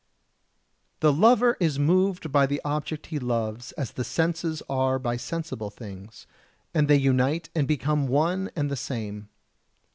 57. The lover is moved by the object he loves as the senses are by sensible things; and they unite and become one and the same.